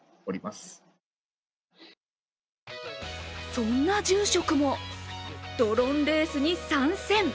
そんな住職もドローンレースに参戦。